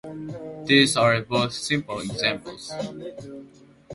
These are both simple examples